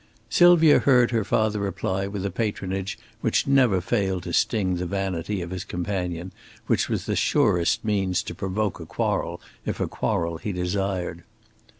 Sylvia heard her father reply with the patronage which never failed to sting the vanity of his companion, which was the surest means to provoke a quarrel, if a quarrel he desired.